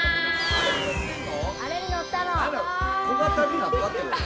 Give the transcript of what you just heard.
小型になったってこと？